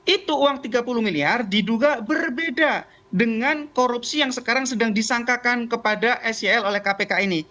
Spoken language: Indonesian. itu uang tiga puluh miliar diduga berbeda dengan korupsi yang sekarang sedang disangkakan kepada sel oleh kpk ini